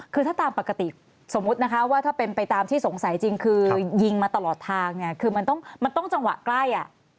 คือถ้าตามปกติสมมุตินะคะว่าถ้าเป็นไปตามที่สงสัยจริงคือยิงมาตลอดทางเนี่ยคือมันต้องมันต้องจังหวะใกล้